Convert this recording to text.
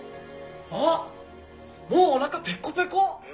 あっもうお腹ペコペコ！